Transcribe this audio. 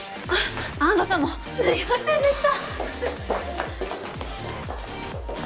安藤さんもすいませんでした。